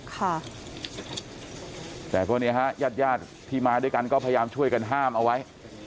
แต่เพราะว่านี้ฮะญาติที่มาด้วยกันก็พยายามช่วยกันห้ามเอาไว้